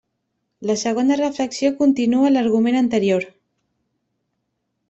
La segona reflexió continua l'argument anterior.